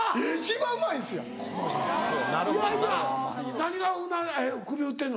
何が首振ってんの？